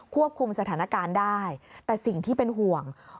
ควบคุมสถานการณ์ได้แต่สิ่งที่เป็นห่วง